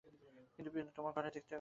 কিন্তু বিনু তোমার ঘরে খেতে পাবে না।